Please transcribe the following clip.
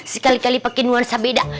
sekali kali pakai nuansa beda